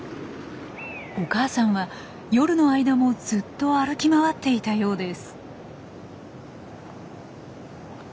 お母さんは夜の間もずっと歩き回っていたようです。